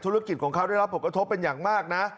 ธุรกิจของเขาได้รับผลกระทบเป็นอย่างมากนะ